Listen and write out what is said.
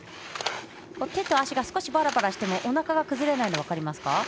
手と足がばらばらしてもおなかが崩れないの分かりますか。